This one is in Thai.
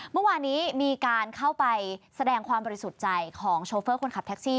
เมื่อวานนี้มีการเข้าไปแสดงความบริสุทธิ์ใจของโชเฟอร์คนขับแท็กซี่